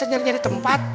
saya nyari nyari tempat